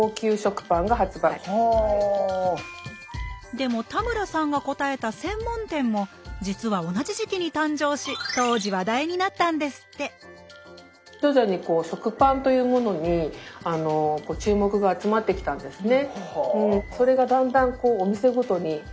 でも田村さんが答えた「専門店」も実は同じ時期に誕生し当時話題になったんですって徐々に食パンというものに注目が集まってきたんですね。